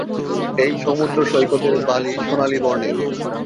এই সমুদ্র সৈকতের বালি সোনালী বর্ণের।